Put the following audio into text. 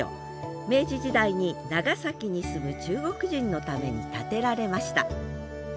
明治時代に長崎に住む中国人のために建てられました。